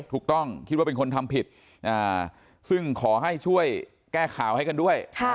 ถูกต้องคิดว่าเป็นคนทำผิดซึ่งขอให้ช่วยแก้ข่าวให้กันด้วย